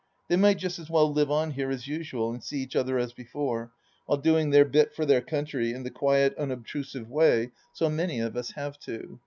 They might just as well live on here as usual and see each other as before, while doing their bit for their country in the quiet, unob trusive way so many of us have to.